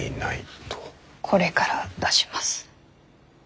これから出します。